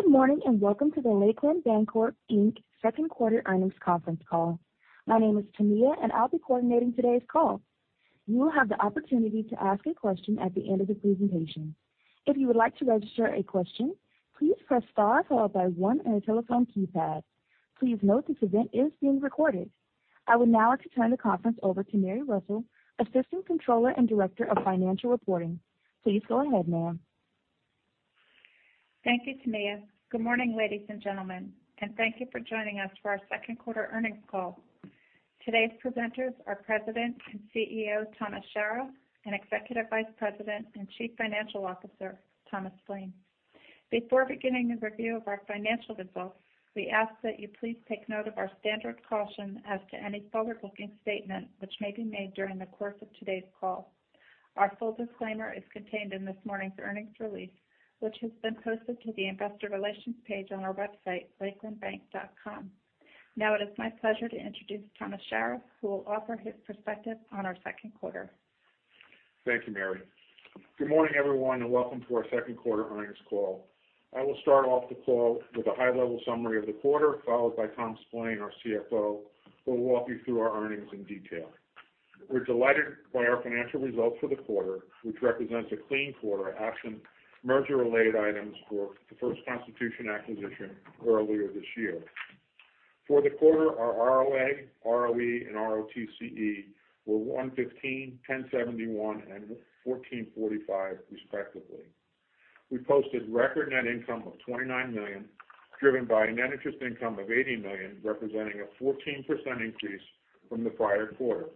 Good morning, and welcome to the Lakeland Bancorp, Inc. second quarter earnings conference call. My name is Tamia, and I'll be coordinating today's call. You will have the opportunity to ask a question at the end of the presentation. If you would like to register a question, please press star followed by one on your telephone keypad. Please note this event is being recorded. I would now like to turn the conference over to Mary Russell, Assistant Controller and Director of Financial Reporting. Please go ahead, ma'am. Thank you, Tamia. Good morning, ladies and gentlemen, and thank you for joining us for our second quarter earnings call. Today's presenters are President and CEO, Thomas Shara, and Executive Vice President and Chief Financial Officer, Thomas Splaine. Before beginning the review of our financial results, we ask that you please take note of our standard caution as to any forward-looking statement which may be made during the course of today's call. Our full disclaimer is contained in this morning's earnings release, which has been posted to the Investor Relations page on our website, lakelandbank.com. Now it is my pleasure to introduce Thomas Shara, who will offer his perspective on our second quarter. Thank you, Mary. Good morning, everyone, and welcome to our second quarter earnings call. I will start off the call with a high-level summary of the quarter, followed by Tom Splaine, our CFO, who will walk you through our earnings in detail. We're delighted by our financial results for the quarter, which represents a clean quarter absent merger-related items for the 1st Constitution acquisition earlier this year. For the quarter, our ROA, ROE, and ROTCE were 1.15%, 10.71%, and 14.45% respectively. We posted record net income of $29 million, driven by a net interest income of $80 million, representing a 14% increase from the prior quarter.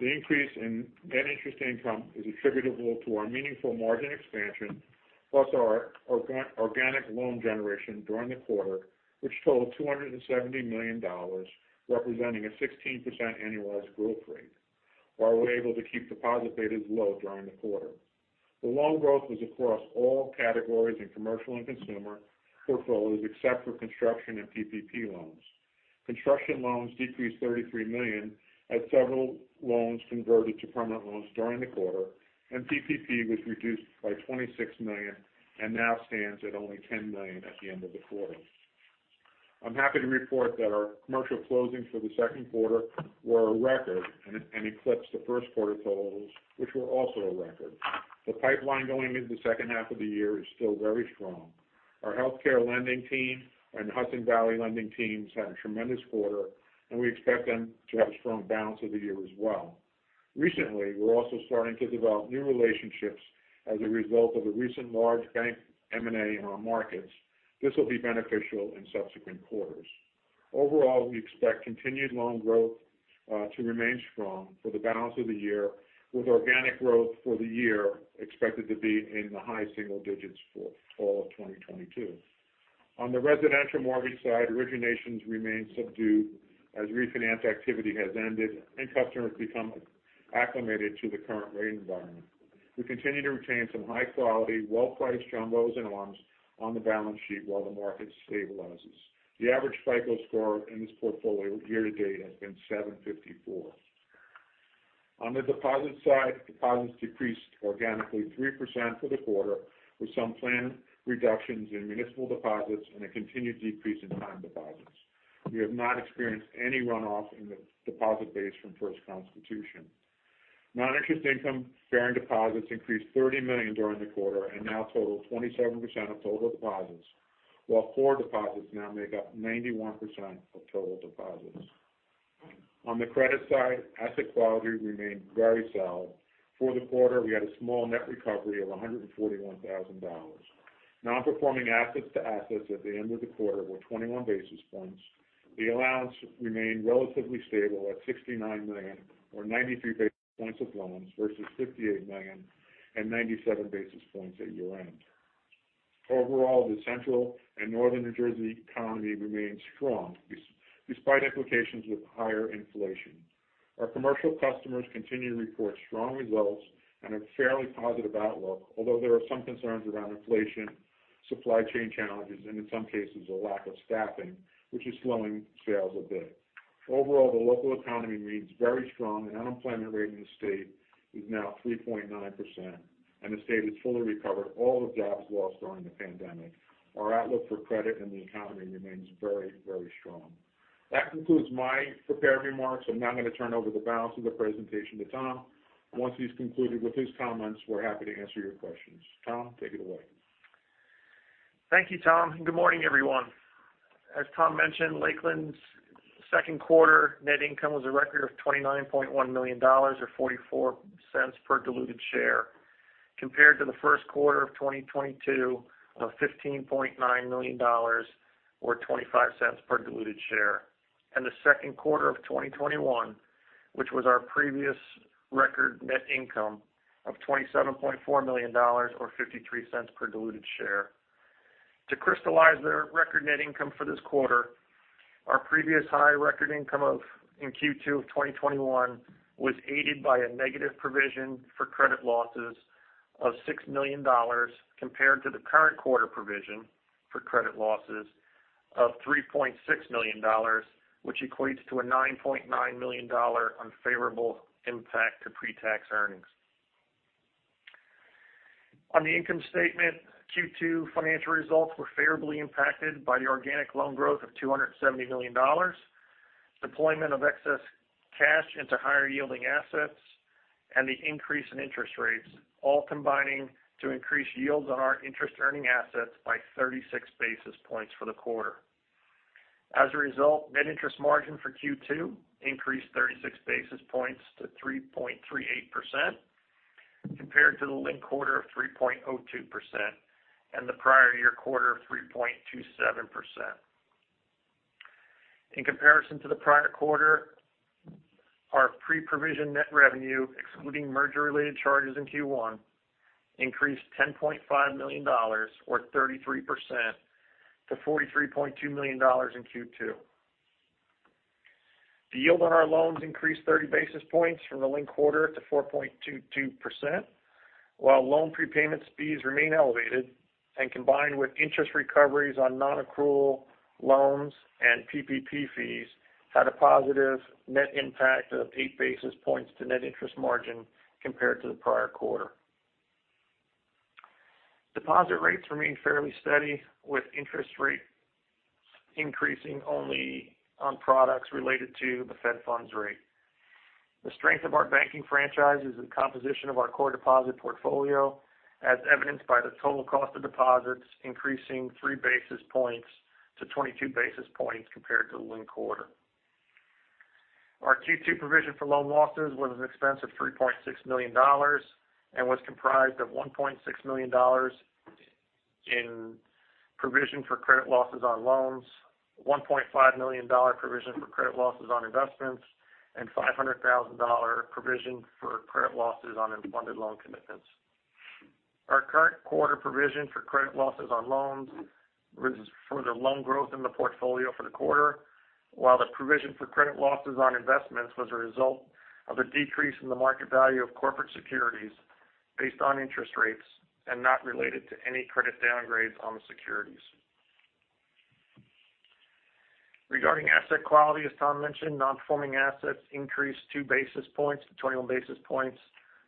The increase in net interest income is attributable to our meaningful margin expansion, plus our organic loan generation during the quarter, which totaled $270 million, representing a 16% annualized growth rate, while we're able to keep deposit betas low during the quarter. The loan growth was across all categories in commercial and consumer portfolios, except for construction and PPP loans. Construction loans decreased $33 million as several loans converted to permanent loans during the quarter, and PPP was reduced by $26 million and now stands at only $10 million at the end of the quarter. I'm happy to report that our commercial closings for the second quarter were a record and eclipsed the first quarter totals, which were also a record. The pipeline going into the second half of the year is still very strong. Our healthcare lending team and Hudson Valley lending teams had a tremendous quarter, and we expect them to have a strong balance of the year as well. Recently, we're also starting to develop new relationships as a result of a recent large bank M&A in our markets. This will be beneficial in subsequent quarters. Overall, we expect continued loan growth to remain strong for the balance of the year, with organic growth for the year expected to be in the high single digits for all of 2022. On the residential mortgage side, originations remain subdued as refinance activity has ended and customers become acclimated to the current rate environment. We continue to retain some high-quality, well-priced jumbos and ARMs on the balance sheet while the market stabilizes. The average FICO score in this portfolio year to date has been 754. On the deposit side, deposits decreased organically 3% for the quarter, with some planned reductions in municipal deposits and a continued decrease in time deposits. We have not experienced any runoff in the deposit base from 1st Constitution. Noninterest-bearing deposits increased $30 million during the quarter and now total 27% of total deposits, while core deposits now make up 91% of total deposits. On the credit side, asset quality remained very solid. For the quarter, we had a small net recovery of $141,000. Nonperforming assets to assets at the end of the quarter were 21 basis points. The allowance remained relatively stable at $69 million or 93 basis points of loans versus $58 million and 97 basis points at year-end. Overall, the Central and Northern New Jersey economy remains strong despite implications with higher inflation. Our commercial customers continue to report strong results and a fairly positive outlook, although there are some concerns around inflation, supply chain challenges, and in some cases, a lack of staffing, which is slowing sales a bit. Overall, the local economy remains very strong. The unemployment rate in the state is now 3.9%, and the state has fully recovered all the jobs lost during the pandemic. Our outlook for credit and the economy remains very, very strong. That concludes my prepared remarks. I'm now gonna turn over the balance of the presentation to Tom. Once he's concluded with his comments, we're happy to answer your questions. Tom, take it away. Thank you, Tom. Good morning, everyone. As Tom mentioned, Lakeland's second quarter net income was a record of $29.1 million or $0.44 per diluted share, compared to the first quarter of 2022 of $15.9 million or $0.25 per diluted share. The second quarter of 2021, which was our previous record net income of $27.4 million or $0.53 per diluted share. To crystallize the record net income for this quarter, our previous high record income in Q2 of 2021 was aided by a negative provision for credit losses of $6 million compared to the current quarter provision for credit losses of $3.6 million, which equates to a $9.9 million dollar unfavorable impact to pre-tax earnings. On the income statement, Q2 financial results were favorably impacted by the organic loan growth of $270 million, deployment of excess cash into higher yielding assets, and the increase in interest rates, all combining to increase yields on our interest earning assets by 36 basis points for the quarter. As a result, net interest margin for Q2 increased 36 basis points to 3.38% compared to the linked quarter of 3.02% and the prior year quarter of 3.27%. In comparison to the prior quarter, our pre-provision net revenue, excluding merger-related charges in Q1, increased $10.5 million or 33% to $43.2 million in Q2. The yield on our loans increased 30 basis points from the linked quarter to 4.22%, while loan prepayment fees remain elevated and combined with interest recoveries on non-accrual loans and PPP fees had a positive net impact of 8 basis points to net interest margin compared to the prior quarter. Deposit rates remained fairly steady with interest rates increasing only on products related to the Fed funds rate. The strength of our banking franchise is the composition of our core deposit portfolio as evidenced by the total cost of deposits increasing 3 basis points to 22 basis points compared to the linked quarter. Our Q2 provision for loan losses was an expense of $3.6 million and was comprised of $1.6 million in provision for credit losses on loans, $1.5 million provision for credit losses on investments, and $500,000 provision for credit losses on unfunded loan commitments. Our current quarter provision for credit losses on loans was for the loan growth in the portfolio for the quarter, while the provision for credit losses on investments was a result of a decrease in the market value of corporate securities based on interest rates and not related to any credit downgrades on the securities. Regarding asset quality, as Tom mentioned, non-performing assets increased 2 basis points to 21 basis points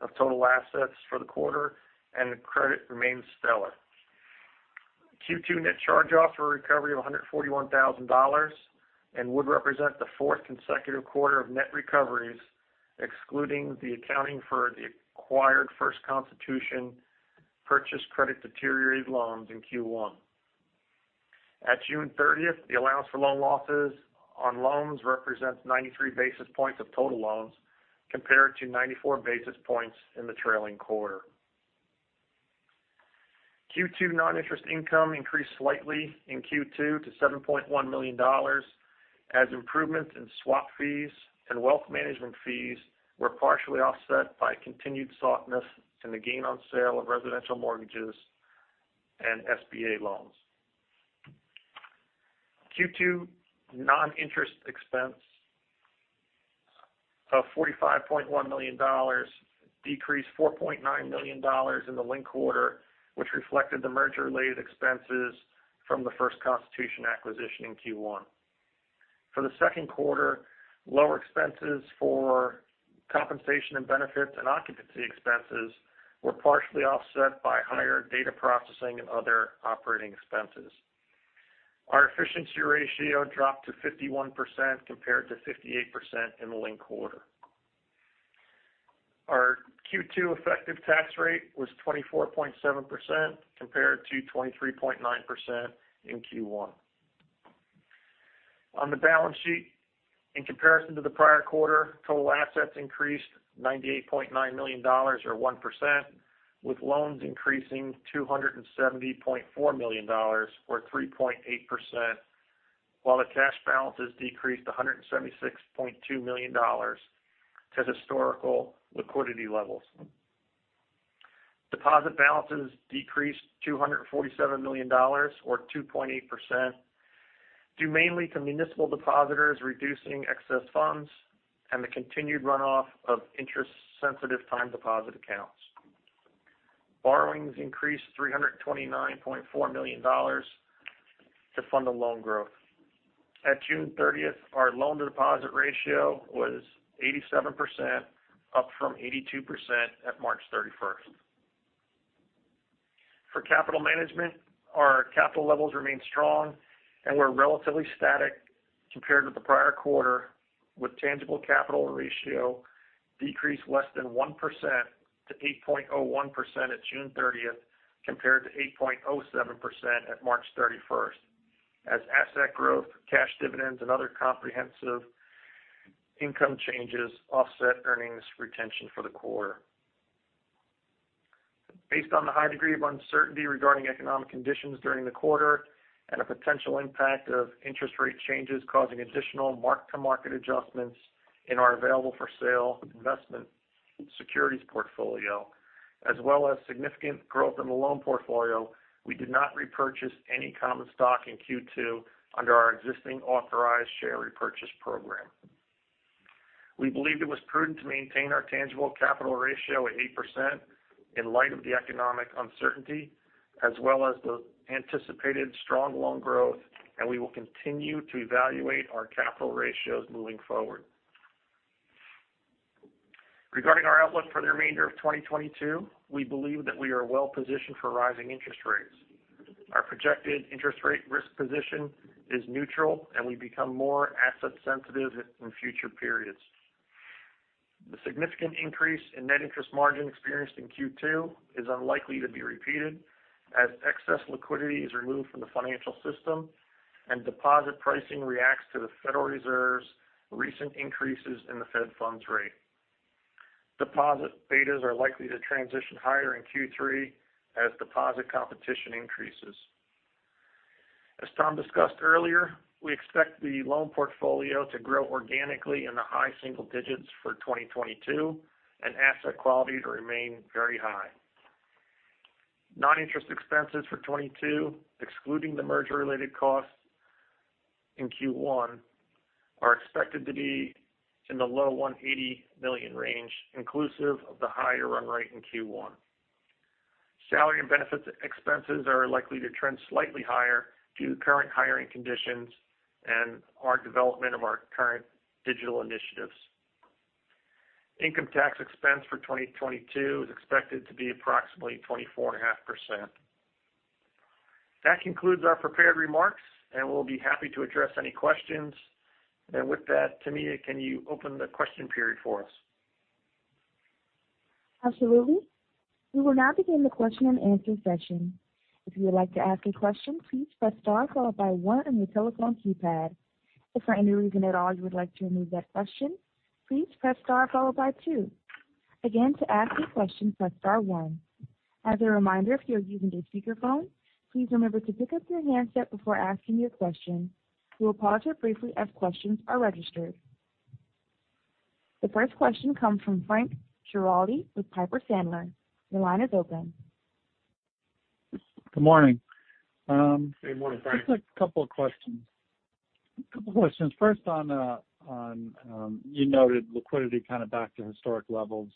of total assets for the quarter, and the credit remains stellar. Q2 net charge-off was a recovery of $141,000 and would represent the fourth consecutive quarter of net recoveries, excluding the accounting for the acquired 1st Constitution purchased credit-deteriorated loans in Q1. At June 30, the allowance for loan losses on loans represents 93 basis points of total loans compared to 94 basis points in the trailing quarter. Q2 non-interest income increased slightly in Q2 to $7.1 million as improvements in swap fees and wealth management fees were partially offset by continued softness in the gain on sale of residential mortgages and SBA loans. Q2 non-interest expense of $45.1 million decreased $4.9 million in the linked quarter, which reflected the merger-related expenses from the 1st Constitution acquisition in Q1. For the second quarter, lower expenses for compensation and benefits and occupancy expenses were partially offset by higher data processing and other operating expenses. Our efficiency ratio dropped to 51% compared to 58% in the linked quarter. Our Q2 effective tax rate was 24.7% compared to 23.9% in Q1. On the balance sheet, in comparison to the prior quarter, total assets increased $98.9 million or 1%, with loans increasing $270.4 million or 3.8%, while the cash balances decreased $176.2 million to historical liquidity levels. Deposit balances decreased $247 million or 2.8% due mainly to municipal depositors reducing excess funds and the continued runoff of interest-sensitive time deposit accounts. Borrowings increased $329.4 million to fund the loan growth. At June 30th, our loan-to-deposit ratio was 87%, up from 82% at March 31st. For capital management, our capital levels remain strong and were relatively static compared with the prior quarter, with tangible capital ratio decreased less than 1% to 8.01% at June 30th compared to 8.07% at March 31st as asset growth, cash dividends and other comprehensive income changes offset earnings retention for the quarter. Based on the high degree of uncertainty regarding economic conditions during the quarter and a potential impact of interest rate changes causing additional mark-to-market adjustments in our available-for-sale investment securities portfolio, as well as significant growth in the loan portfolio, we did not repurchase any common stock in Q2 under our existing authorized share repurchase program. We believed it was prudent to maintain our tangible capital ratio at 8% in light of the economic uncertainty as well as the anticipated strong loan growth, and we will continue to evaluate our capital ratios moving forward. Regarding our outlook for the remainder of 2022, we believe that we are well-positioned for rising interest rates. Our projected interest rate risk position is neutral, and we become more asset sensitive in future periods. The significant increase in net interest margin experienced in Q2 is unlikely to be repeated as excess liquidity is removed from the financial system and deposit pricing reacts to the Federal Reserve's recent increases in the Fed funds rate. Deposit betas are likely to transition higher in Q3 as deposit competition increases. As Tom discussed earlier, we expect the loan portfolio to grow organically in the high single digits for 2022 and asset quality to remain very high. Non-interest expenses for 2022, excluding the merger-related costs in Q1, are expected to be in the low $180 million range, inclusive of the higher run rate in Q1. Salary and benefits expenses are likely to trend slightly higher due to current hiring conditions and our development of our current digital initiatives. Income tax expense for 2022 is expected to be approximately 24.5%. That concludes our prepared remarks, and we'll be happy to address any questions. With that, Tamia, can you open the question period for us? Absolutely. We will now begin the question-and-answer session. If you would like to ask a question, please press star followed by one on your telephone keypad. If for any reason at all you would like to remove that question, please press star followed by two. Again, to ask a question, press star one. As a reminder, if you are using a speakerphone, please remember to pick up your handset before asking your question. We will pause here briefly as questions are registered. The first question comes from Frank Schiraldi with Piper Sandler. Your line is open. Good morning. Good morning, Frank. Just a couple of questions. First on you noted liquidity kind of back to historic levels.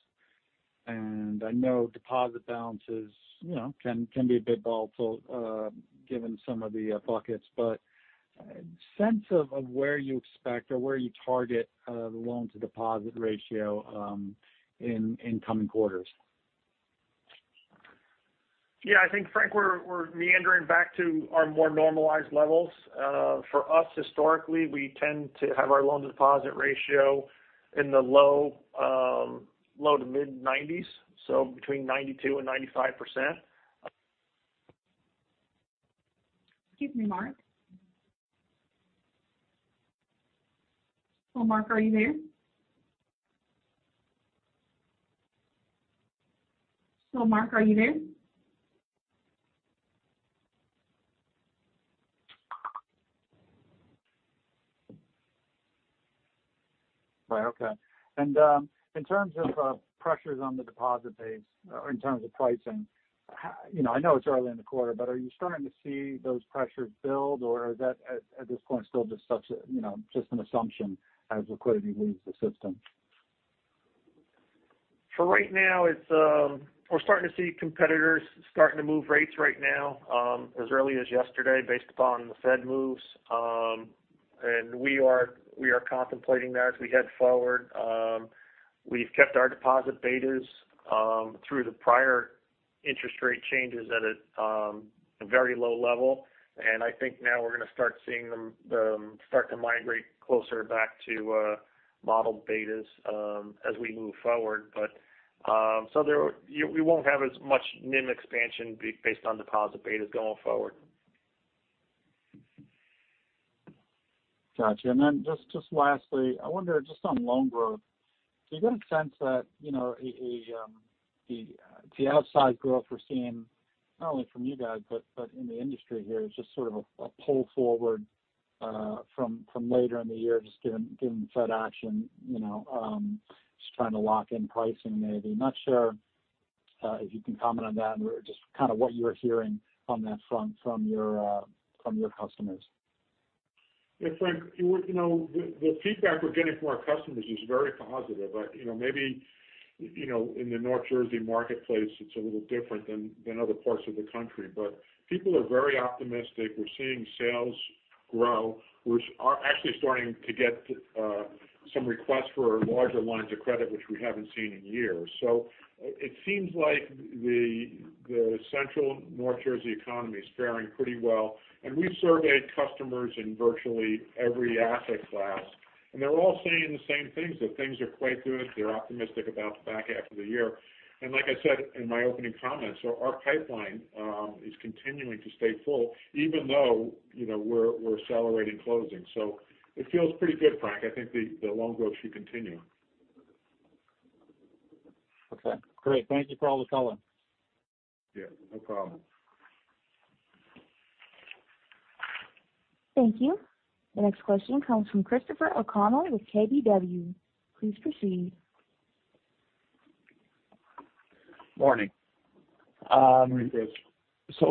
I know deposit balances can be a bit volatile given some of the buckets, but sense of where you expect or where you target the loan-to-deposit ratio in coming quarters. Yeah, I think, Frank, we're meandering back to our more normalized levels. For us historically, we tend to have our loan-to-deposit ratio in the low to mid nineties, so between 92% and 95%. Excuse me, Mark. Hello, Mark. Are you there? Hello, Mark. Are you there? Right. Okay. In terms of pressures on the deposit base or in terms of pricing, how you know, I know it's early in the quarter, but are you starting to see those pressures build, or is that at this point still just such a you know, just an assumption as liquidity leaves the system? For right now, it's we're starting to see competitors starting to move rates right now, as early as yesterday based upon the Fed moves. We are contemplating that as we head forward. We've kept our deposit betas through the prior interest rate changes at a very low level. I think now we're gonna start seeing them start to migrate closer back to model betas as we move forward. We won't have as much NIM expansion based on deposit betas going forward. Gotcha. Then just lastly, I wonder just on loan growth. Do you get a sense that, you know, the outsized growth we're seeing, not only from you guys, but in the industry here is just sort of a pull forward from later in the year just given Fed action, you know, just trying to lock in pricing maybe? Not sure if you can comment on that or just kind of what you're hearing on that front from your customers. Yeah, Frank, you know, the feedback we're getting from our customers is very positive. You know, maybe, you know, in the North Jersey marketplace it's a little different than other parts of the country, but people are very optimistic. We're seeing sales grow. We're actually starting to get some requests for larger lines of credit which we haven't seen in years. It seems like the central North Jersey economy is faring pretty well. We've surveyed customers in virtually every asset class, and they're all saying the same things, that things are quite good. They're optimistic about the back half of the year. Like I said in my opening comments, our pipeline is continuing to stay full even though, you know, we're accelerating closing. It feels pretty good, Frank. I think the loan growth should continue. Okay, great. Thank you for all the color. Yeah, no problem. Thank you. The next question comes from Christopher O'Connell with KBW. Please proceed. Morning. Morning, Chris. I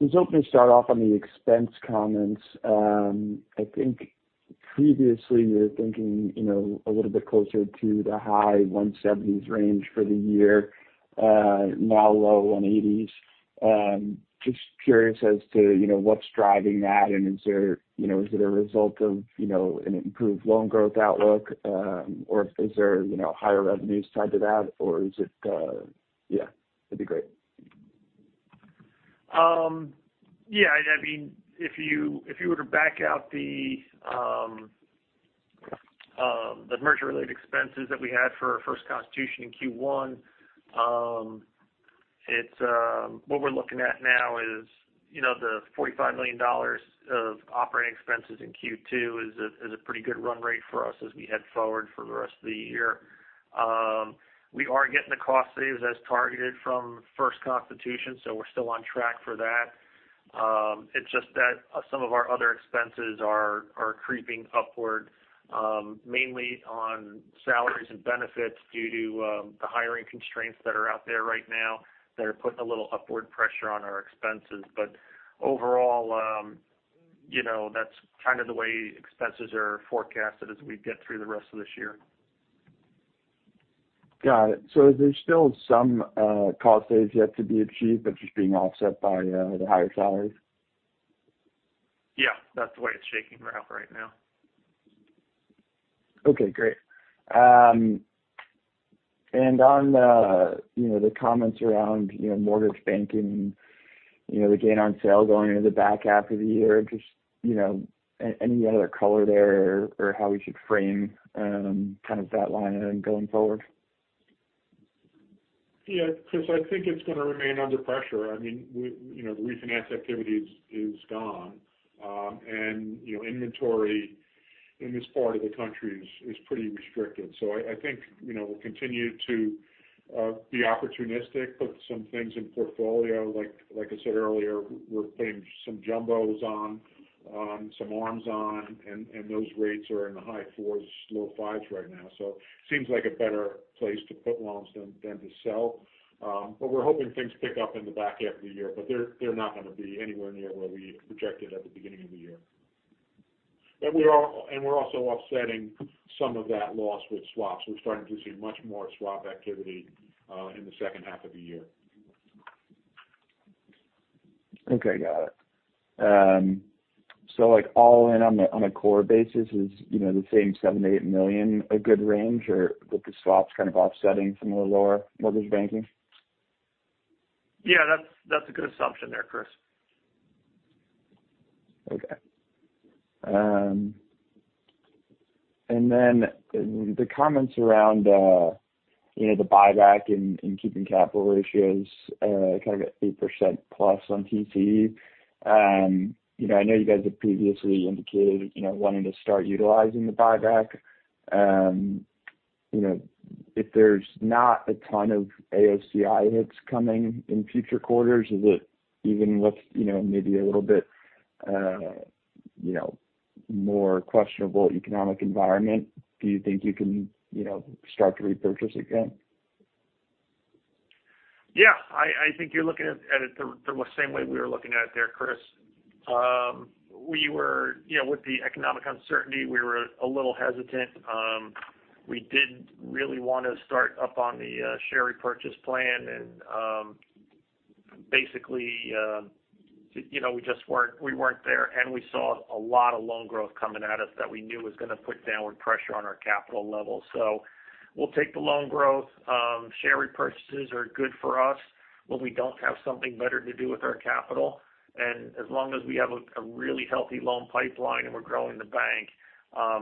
was hoping to start off on the expense comments. I think previously you were thinking, you know, a little bit closer to the high $170 million range for the year, now low $180 million. Just curious as to, you know, what's driving that. Is there, you know, is it a result of, you know, an improved loan growth outlook, or is there, you know, higher revenues tied to that or is it. Yeah, that'd be great. Yeah, I mean, if you were to back out the merger-related expenses that we had for our 1st Constitution in Q1, what we're looking at now is, you know, the $45 million of operating expenses in Q2 is a pretty good run rate for us as we head forward for the rest of the year. We are getting the cost savings as targeted from 1st Constitution, so we're still on track for that. It's just that some of our other expenses are creeping upward, mainly on salaries and benefits due to the hiring constraints that are out there right now that are putting a little upward pressure on our expenses. Overall, you know, that's kind of the way expenses are forecasted as we get through the rest of this year. Got it. Is there still some cost savings yet to be achieved that's just being offset by the higher salaries? Yeah, that's the way it's shaking out right now. Okay, great. On the, you know, the comments around, you know, mortgage banking, you know, the gain on sale going into the back half of the year, just, you know, any other color there or how we should frame, kind of that line item going forward? Yeah, Chris, I think it's going to remain under pressure. I mean, you know, the refinance activity is gone. You know, inventory in this part of the country is pretty restricted. I think, you know, we'll continue to be opportunistic, put some things in portfolio. Like I said earlier, we're putting some jumbos on, some arms on, and those rates are in the high fours, low fives right now. Seems like a better place to put loans than to sell. We're hoping things pick up in the back half of the year, but they're not going to be anywhere near where we projected at the beginning of the year. We're also offsetting some of that loss with swaps. We're starting to see much more swap activity in the second half of the year. Okay, got it. Like all in on a core basis, is you know the same $7 million-$8 million a good range? Or with the swaps kind of offsetting some of the lower mortgage banking? Yeah, that's a good assumption there, Chris. Okay. Then the comments around, you know, the buyback and keeping capital ratios, kind of at 8%+ on TCE. You know, I know you guys have previously indicated, you know, wanting to start utilizing the buyback. You know, if there's not a ton of AOCI hits coming in future quarters, is it even with, you know, maybe a little bit, you know, more questionable economic environment, do you think you can, you know, start to repurchase again? Yeah, I think you're looking at it the same way we were looking at it there, Chris. We were, you know, with the economic uncertainty, we were a little hesitant. We didn't really want to start up on the share repurchase plan. Basically, you know, we just weren't there. We saw a lot of loan growth coming at us that we knew was going to put downward pressure on our capital level. We'll take the loan growth. Share repurchases are good for us when we don't have something better to do with our capital. As long as we have a really healthy loan pipeline and we're growing the bank,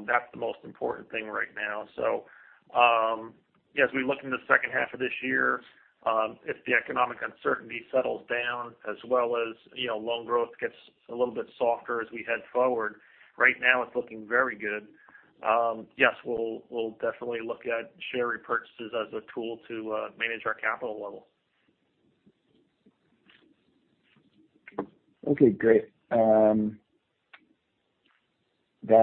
that's the most important thing right now. As we look in the second half of this year, if the economic uncertainty settles down as well as, you know, loan growth gets a little bit softer as we head forward, right now it's looking very good. Yes, we'll definitely look at share repurchases as a tool to manage our capital level. Okay, great. That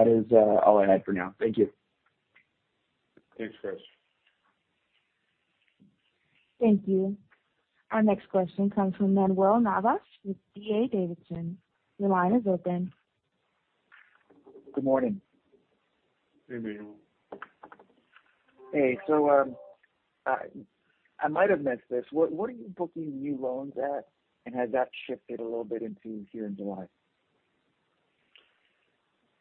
is all I had for now. Thank you. Thanks, Chris. Thank you. Our next question comes from Manuel Navas with D.A. Davidson. Your line is open. Good morning. Hey, Manuel. Hey. I might have missed this. What are you booking new loans at? Has that shifted a little bit into here in July?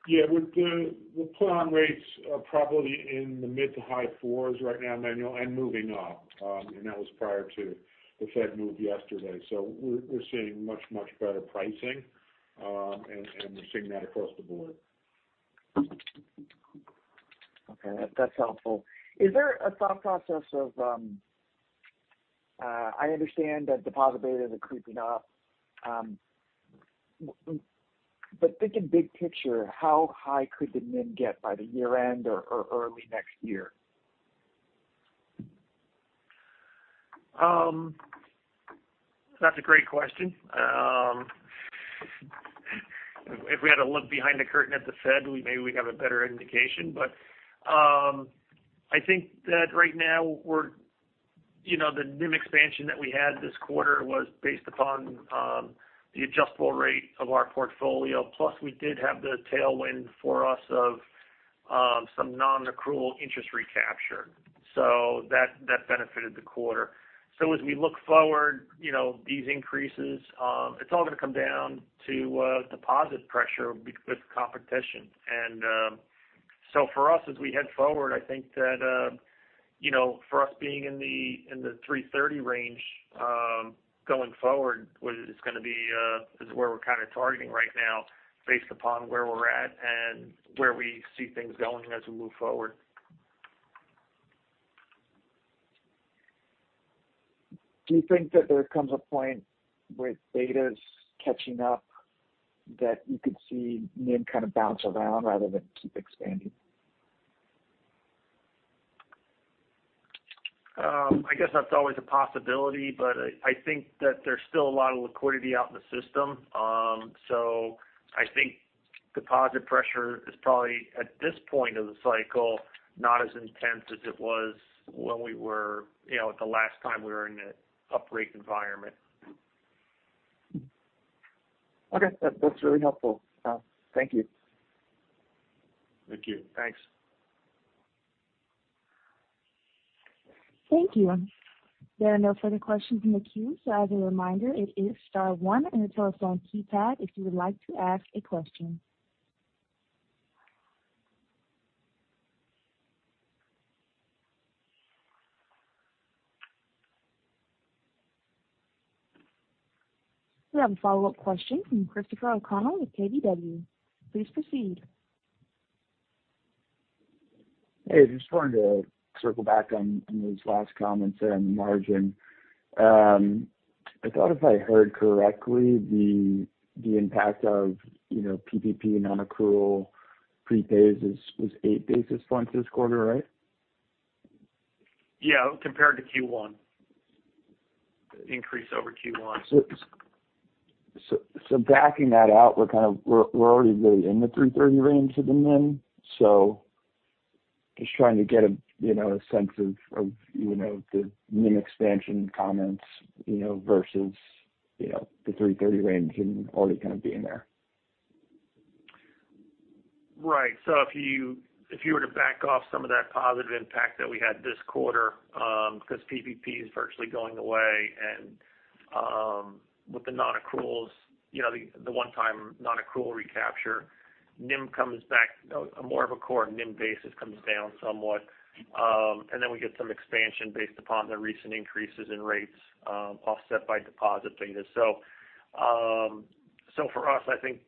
Yeah. The put-on rates are probably in the mid to high fours right now, Manuel, and moving up. That was prior to the Fed move yesterday. We're seeing much better pricing, and we're seeing that across the board. Okay. That's helpful. Is there a thought process of, I understand that deposit betas are creeping up. But thinking big picture, how high could the NIM get by the year end or early next year? That's a great question. If we had to look behind the curtain at the Fed, maybe we'd have a better indication. I think that right now we're you know, the NIM expansion that we had this quarter was based upon the adjustable rate of our portfolio. Plus we did have the tailwind for us of some non-accrual interest recapture. That benefited the quarter. As we look forward, you know, these increases, it's all gonna come down to deposit pressure with competition. For us, as we head forward, I think that you know, for us being in the 3.30% range going forward, whether it's gonna be is where we're kind of targeting right now based upon where we're at and where we see things going as we move forward. Do you think that there comes a point where beta's catching up, that you could see NIM kind of bounce around rather than keep expanding? I guess that's always a possibility, but I think that there's still a lot of liquidity out in the system. I think deposit pressure is probably, at this point of the cycle, not as intense as it was when we were, you know, the last time we were in a rising rate environment. Okay. That, that's really helpful. Thank you. Thank you. Thanks. Thank you. There are no further questions in the queue, so as a reminder, it is star one on your telephone keypad if you would like to ask a question. We have a follow-up question from Christopher O'Connell with KBW. Please proceed. Hey, just wanted to circle back on those last comments there on the margin. I thought if I heard correctly, the impact of, you know, PPP non-accrual prepays was 8 basis points this quarter, right? Yeah, compared to Q1. Increase over Q1. Backing that out, we're already really in the 3.30% range with the NIM. Just trying to get a, you know, a sense of, you know, the NIM expansion comments, you know, versus, you know, the 3.30% range and already kind of being there. Right. If you were to back off some of that positive impact that we had this quarter, because PPP is virtually going away and with the non-accruals, you know, the one time non-accrual recapture, NIM comes back, more of a core NIM basis comes down somewhat. We get some expansion based upon the recent increases in rates, offset by deposit beta. For us, I think,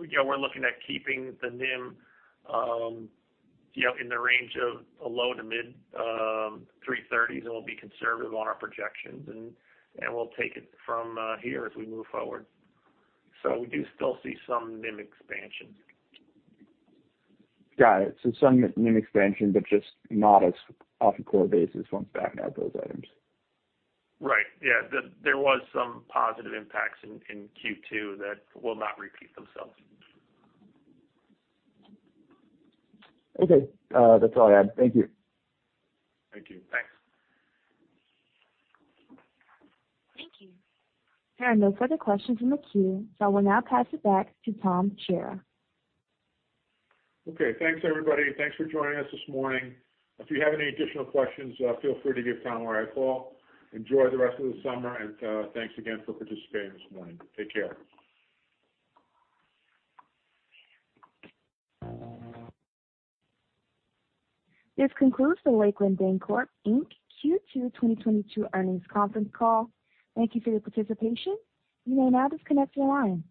you know, we're looking at keeping the NIM, you know, in the range of low to mid-330s, and we'll be conservative on our projections and we'll take it from here as we move forward. We do still see some NIM expansion. Got it. Some NIM expansion, but just not as much off a core basis once backing out those items. Right. Yeah. There was some positive impacts in Q2 that will not repeat themselves. Okay. That's all I had. Thank you. Thank you. Thanks. Thank you. There are no further questions in the queue, so I will now pass it back to Tom Shara. Okay, thanks everybody, and thanks for joining us this morning. If you have any additional questions, feel free to give Tom or I a call. Enjoy the rest of the summer and, thanks again for participating this morning. Take care. This concludes the Lakeland Bancorp, Inc. Q2 2022 earnings conference call. Thank you for your participation. You may now disconnect your line.